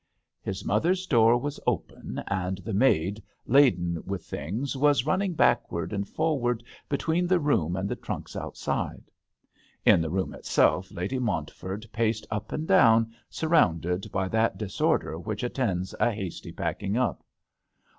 His mother's door was open, and the maid, laden with things, was running backwards and for wards between the room and the trunks outside. ' In the room itself Lady Mont ford paced up and down, sur rounded by that disorder which attends a hasty packing up.